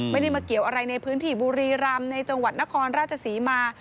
ไม่ได้มาเกี่ยวอะไรในพื้นที่บุรีรำในจังหวัดนครราชศรีมา